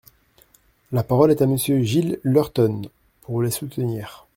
La parole est à Monsieur Gilles Lurton, pour les soutenir.